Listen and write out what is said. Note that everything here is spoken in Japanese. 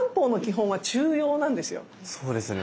そうですよね。